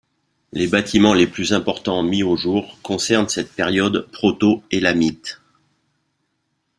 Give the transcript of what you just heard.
Les bâtiments les plus importants mis au jour concernent cette période proto-élamite.